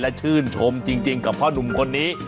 และชื่นชมจริงกับพ่อนุ่มคนนี้